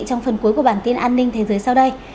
trong phần cuối của bản tin an ninh thế giới sau đây